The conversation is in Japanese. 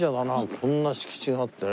こんな敷地があってね。